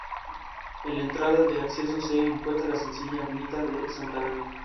Se ha mostrado siempre, además, crítico con el uso indiscriminado de los psicofármacos.